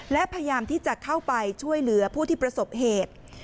และพยายามที่จะเข้าไปช่วยเหลือผู้ที่ประสบเหตุ